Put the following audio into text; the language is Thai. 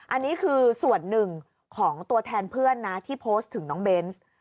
อันนี้คือส่วนหนึ่งของตัวแทนเพื่อนนะที่โพสต์ถึงน้องเบนส์